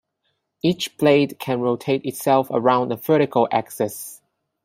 Each blade can rotate itself around a vertical axis.